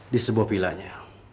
di sebuah pilahnya